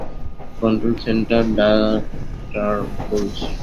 Control centre, Darkstar বলছি।